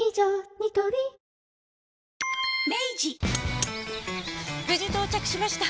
ニトリ無事到着しました！